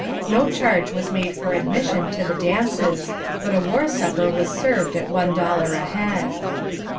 No charge was made for admission to the dances, but a War Supper was served at one dollar a head.